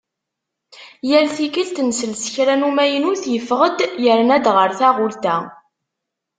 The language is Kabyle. Yal tikkelt nsel s kra n umaynut yeffeɣ-d yerna-d ɣer taɣult-a.